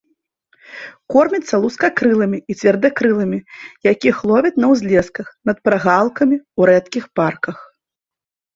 Корміцца лускакрылымі і цвердакрылымі, якіх ловіць на ўзлесках, над прагалкамі, у рэдкіх парках.